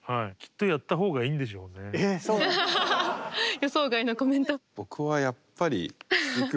予想外のコメント。